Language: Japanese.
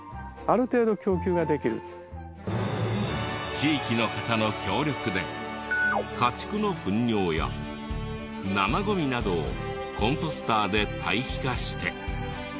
地域の方の協力で家畜の糞尿や生ゴミなどをコンポスターで堆肥化して。